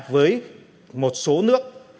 với một số nước